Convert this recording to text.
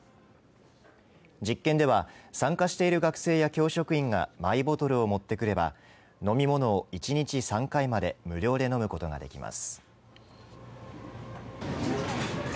実験では参加している学生や教職員がマイボトルを持ってくれば飲み物を１日３回まで無料で飲むことができます。